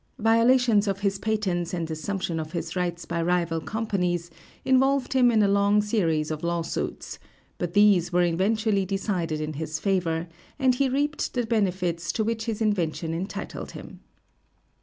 Violations of his patents and assumption of his rights by rival companies involved him in a long series of law suits; but these were eventually decided in his favor, and he reaped the benefits to which his invention entitled him.